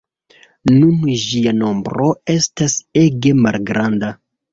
Nun ĝia nombro estas ege malgranda.